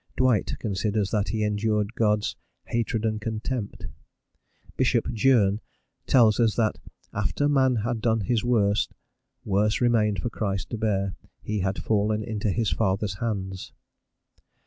Dwight considers that he endured God's "hatred and contempt." Bishop Jeune tells us that "after man had done his worst, worse remained for Christ to bear. He had fallen into his father's hands."